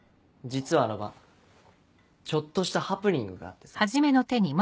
実はあの晩ちょっとしたハプニングがあってさ。